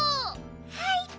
はい。